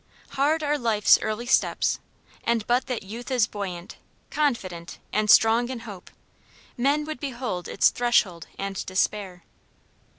"Hard are life's early steps; and but that youth is buoyant, confident, and strong in hope, men would behold its threshold and despair."